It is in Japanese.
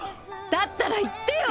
だったら言ってよ！